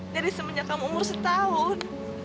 jadi semenjak kamu umur setahun